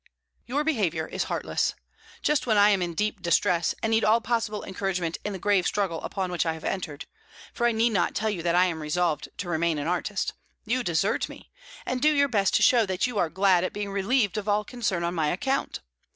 "Your behaviour is heartless. Just when I am in deep distress, and need all possible encouragement in the grave struggle upon which I have entered for I need not tell you that I am resolved to remain an artist you desert me, and do your best to show that you are glad at being relieved of all concern on my account.